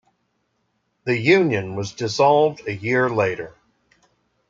The union was dissolved a year later.